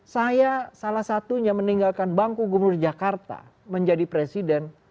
saya salah satunya meninggalkan bangku gubernur jakarta menjadi presiden